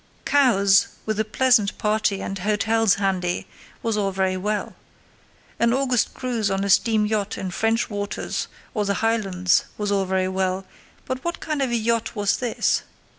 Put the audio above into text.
Cowes, with a pleasant party and hotels handy, was all very well. An August cruise on a steam yacht in French waters or the Highlands was all very well; but what kind of a yacht was this?